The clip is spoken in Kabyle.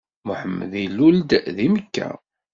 Muḥammed ilul-d deg Mekka.